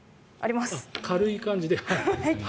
軽い感じで。